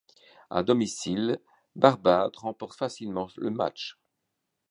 À domicile, Barbade remporte facilement le match.